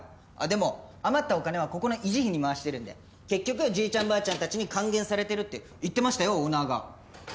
でも余ったお金はここの維持費に回してるんで結局はじいちゃんばあちゃんたちに還元されてるって言ってましたよオーナーが。